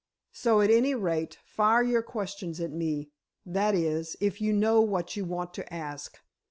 So, at any rate, fire your questions at me—that is, if you know what you want to ask."